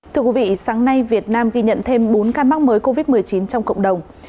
thưa quý vị sáng nay việt nam ghi nhận thêm bốn ca mắc mới covid một mươi chín trong cộng đồng